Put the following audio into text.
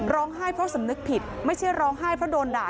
ร้องไห้เพราะสำนึกผิดไม่ใช่ร้องไห้เพราะโดนด่า